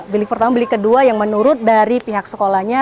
bilik pertama bilik kedua yang menurut dari pihak sekolahnya